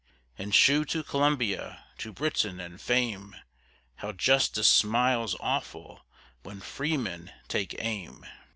And shew to Columbia, to Britain, and Fame, How Justice smiles aweful, when Freemen take aim!"